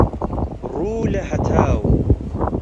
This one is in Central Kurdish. ڕوو لە هەتاو